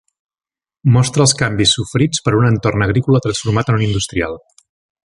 Mostra els canvis sofrits per un entorn agrícola transformat en un industrial.